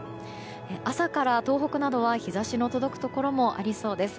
朝から東北などは日差しの届くところもありそうです。